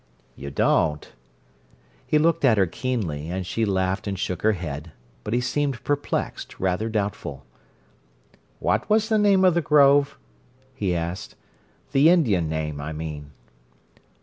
"You don't?" He looked at her keenly, and she laughed and shook her head; but he seemed perplexed, rather doubtful. "What was the name of the grove?" he asked. "The Indian name, I mean."